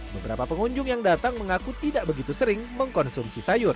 beberapa pengunjung yang datang mengaku tidak begitu sering mengkonsumsi sayur